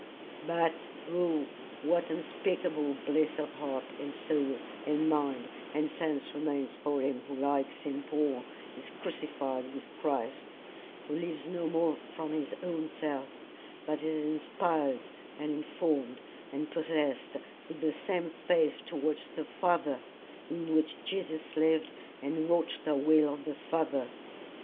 "But oh what unspeakable bliss of heart and soul and mind and sense remains for him who like St. Paul is crucified with Christ, who lives no more from his own self, but is inspired and informed and possessed with the same faith towards the Father in which Jesus lived and wrought the will of the Father!